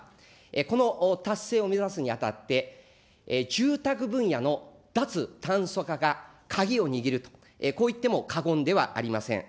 この達成を目指すにあたって、住宅分野の脱炭素化が鍵を握ると、こういっても過言ではありません。